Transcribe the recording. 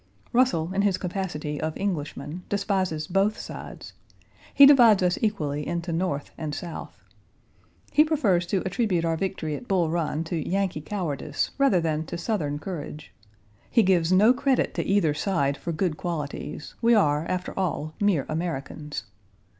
Russell, in his capacity of Englishman, despises both sides. He divides us equally into North and South. He prefers to attribute our victory at Bull Run to Yankee cowardice rather than to Southern courage. He gives no credit to either side; for good qualities, we are after all mere Americans!